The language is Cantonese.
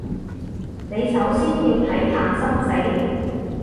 你首先要睇淡生死